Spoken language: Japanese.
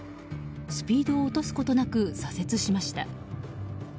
スピードを落とすことなく左折しました。